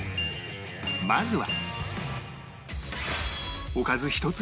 まずは